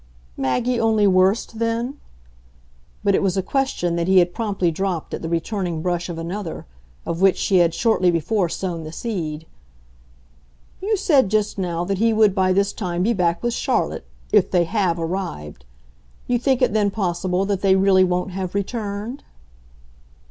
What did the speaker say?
"Maggie only worst then?" But it was a question that he had promptly dropped at the returning brush of another, of which she had shortly before sown the seed. "You said just now that he would by this time be back with Charlotte 'if they HAVE arrived.' You think it then possible that they really won't have returned?"